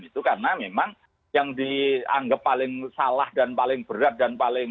itu karena memang yang dianggap paling salah dan paling berat dan paling